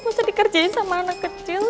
masa dikerjain sama anak kecil